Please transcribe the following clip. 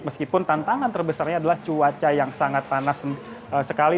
meskipun tantangan terbesarnya adalah cuaca yang sangat panas sekali